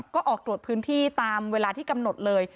ก็ออกตรวจพื้นที่ตามเวลาที่กำหนดเลย